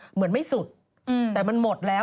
เหมือนไม่สุดแต่มันหมดแล้ว